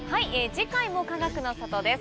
次回もかがくの里です。